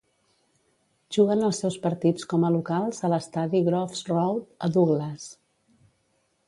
Juguen els seus partits com a locals a l'estadi Groves Road, a Douglas.